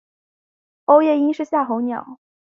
欧夜鹰是夏候鸟。